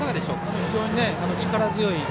非常に力強い。